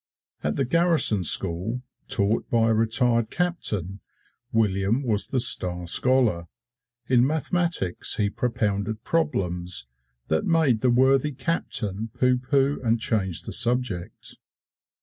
At the garrison school, taught by a retired captain, William was the star scholar. In mathematics he propounded problems that made the worthy captain pooh pooh and change the subject.